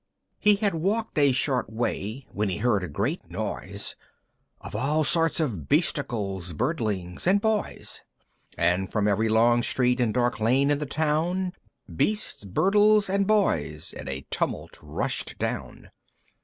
He had walked a short way, when he heard a great noise, Of all sorts of Beasticles, Birdlings, and Boys; And from every long street and dark lane in the town Beasts, Birdles, and Boys in a tumult rushed down.